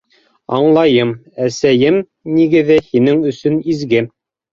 Аңлайым - әсәйем нигеҙе һинең өсөн изге.